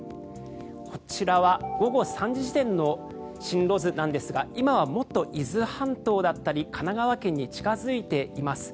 こちらは午後３時時点の進路図なんですが今はもっと伊豆半島だったり神奈川県に近付いています。